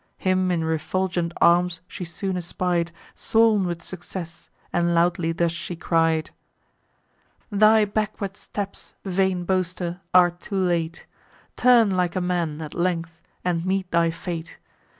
Him in refulgent arms she soon espied, Swoln with success; and loudly thus she cried: "Thy backward steps, vain boaster, are too late; Turn like a man, at length, and meet thy fate.